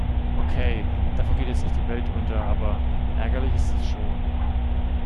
Okay, davon geht jetzt nicht die Welt unter, aber ärgerlich ist es schon.